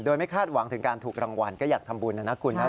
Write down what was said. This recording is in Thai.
โดยไม่คาดหวังถึงการถูกรางวัลก็อยากทำบุญนะนะคุณนะ